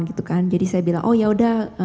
gitu kan jadi saya bilang oh ya udah